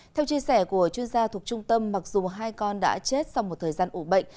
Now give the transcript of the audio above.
theo chia sẻ của chuyên gia thuộc trung tâm mặc dù hai con đã chết sau một thời gian ủ bệnh